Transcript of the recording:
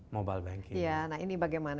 mobile banking nah ini bagaimana